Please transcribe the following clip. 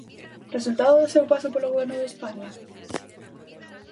¿Resultado do seu paso polo Goberno de España?